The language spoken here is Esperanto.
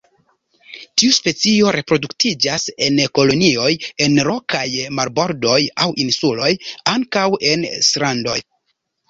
Tiu specio reproduktiĝas en kolonioj en rokaj marbordoj aŭ insuloj, ankaŭ en strandoj.